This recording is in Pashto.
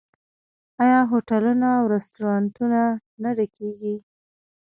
آیا هوټلونه او رستورانتونه نه ډکیږي؟